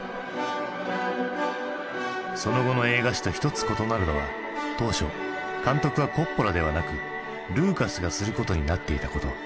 その後の映画史と一つ異なるのは当初監督はコッポラではなくルーカスがすることになっていたこと。